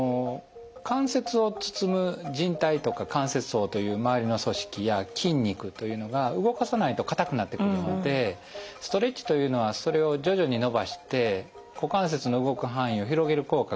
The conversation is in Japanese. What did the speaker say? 関節を包むじん帯とか関節包という周りの組織や筋肉というのが動かさないと硬くなってくるのでストレッチというのはそれを徐々に伸ばして股関節の動く範囲を広げる効果があります。